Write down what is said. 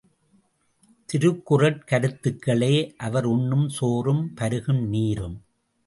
திருக்குறட் கருத்துக்களே அவர் உண்ணும் சோறும், பருகும் நீரும்.